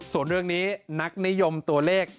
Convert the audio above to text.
ส่วนเรื่องนี้นักนิยมตัวเลข